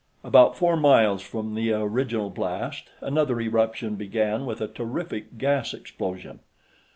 About four miles from the original blast, another eruption began with a terrific gas explosion.